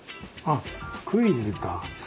あっクイズか。